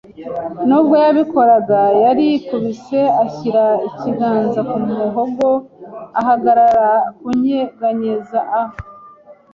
Nubwo yabikoraga, yarikubise, ashyira ikiganza ku muhogo, ahagarara kunyeganyeza a